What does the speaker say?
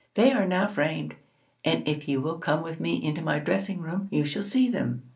They are now framed; and if you will come with me into my dressing room you shall see them.'